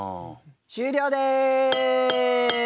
終了です。